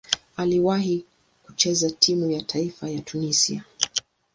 Aliwahi kucheza timu ya taifa ya Tunisia.